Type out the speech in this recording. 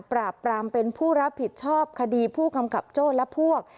ปราบปรามเป็นผู้รับผิดชอบคดีผู้กำกับโจ้และพวก